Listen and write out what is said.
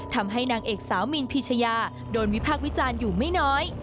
ทำให้นางเอกสาวมีนพิชยาโดนวิพากษ์วิจารณ์อยู่ไม่น้อย